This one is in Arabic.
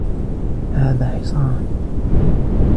هذا حصان